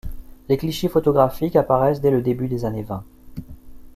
Les clichés photographiques apparaissent dès le début des années vingt.